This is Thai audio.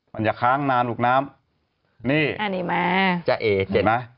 อย่าค้างนานลูกน้ำนี่อันนี้แม้จะเอกเห็นไหม